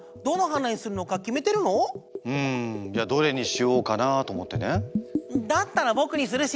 今日はうんいやどれにしようかなと思ってね。